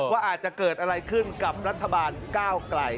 ว่าอาจจะเกิดอะไรขึ้นกับรัฐบาลก้าวไกล